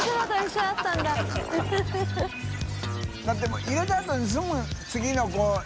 世辰もう入れたあとにすぐ次のこう。